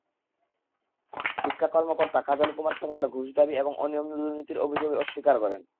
শিক্ষা কর্মকর্তা কাজল কুমার সরকার ঘুষ দাবি এবং অনিয়ম-দুর্নীতির অভিযোগ অস্বীকার করেন।